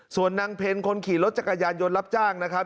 ส่วนนางเพลคนขี่รถจักรยานยนต์รับจ้างนะครับ